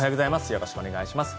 よろしくお願いします。